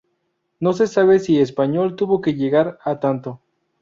No se sabe si Español tuvo que llegar a tanto.